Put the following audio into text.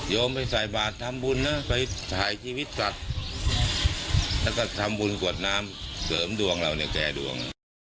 ไปใส่บาททำบุญนะไปถ่ายชีวิตสัตว์แล้วก็ทำบุญกวดน้ำเสริมดวงเราเนี่ยแก่ดวง